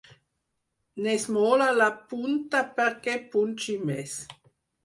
N'esmola la punta perquè punxi més.